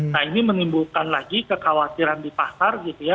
nah ini menimbulkan lagi kekhawatiran di pasar gitu ya